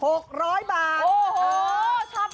โอ้โฮชอบมาก